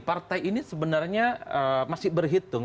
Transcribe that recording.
partai ini sebenarnya masih berhitung